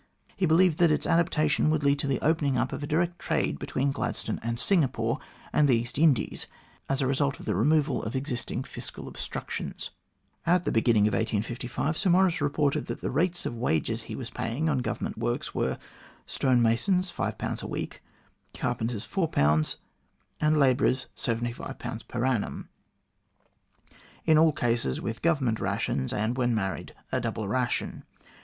He believed that its adoption would lead to the opening up of a direct trade between Gladstone and Singapore and the East Indies, as^the result of the removal of existing fiscal obstructions. At the beginning of 1855, Sir Maurice reported that the rates of wages he was then paying on Government works were stonemasons, 5 per week ; carpenters, 4 ; and labourers, 75 per annum ; in all cases with Government rations, and when married, a double ration.